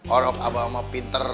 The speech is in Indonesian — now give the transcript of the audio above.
orang abah mah pinter